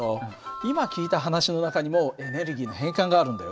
今聞いた話の中にもエネルギーの変換があるんだよね。